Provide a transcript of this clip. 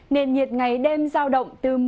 nên nhiệt ngày đêm giao đổi tầm tầm